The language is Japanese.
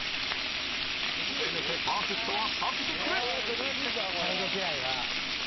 せめてパーフェクトは避けてくれ！